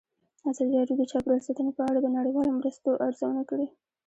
ازادي راډیو د چاپیریال ساتنه په اړه د نړیوالو مرستو ارزونه کړې.